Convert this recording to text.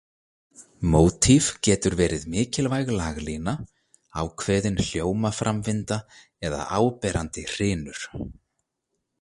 Mótíf getur verið mikilvæg laglína, ákveðin hljómaframvinda eða áberandi hrynur.